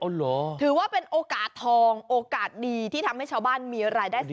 ถือว่าเป็นโอกาสทองโอกาสดีที่ทำให้ชาวบ้านมีรายได้สูง